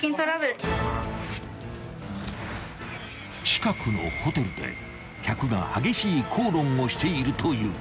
［近くのホテルで客が激しい口論をしているという］